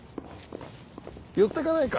寄ってかないか？